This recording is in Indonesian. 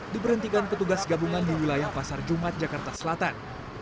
diberhentikan petugas gabungan di wilayah pasar jumat jakarta selatan